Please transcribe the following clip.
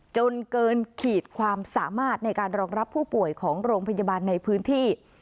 จนเกินขีดความสามารถในการรองรับผู้ป่วยของโรงพยาบาลในพื้นที่